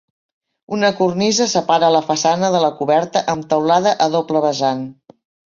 Una cornisa separa la façana de la coberta amb teulada a doble vessant.